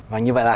và như vậy là